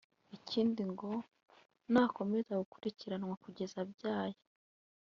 Ikindi ngo ni akomeza gukurikiranwa kugeza abyaye